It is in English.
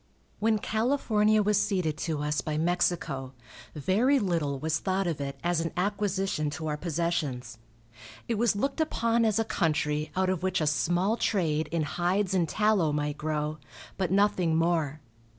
When California was ceded to us by Mexico, very little was thought of it as an acquisition to our possessions. It was looked upon as a country out of which a small trade in hides and tallow might grow, but nothing more.